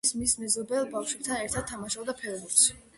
პატარაობაში ის მის მეზობელ ბავშვებთან ერთად თამაშობდა ფეხბურთს.